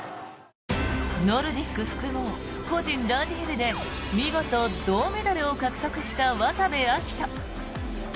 ノルディック複合個人ラージヒルで見事、銅メダルを獲得した渡部暁斗。